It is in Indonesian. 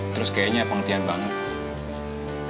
terus kayaknya pengertian banget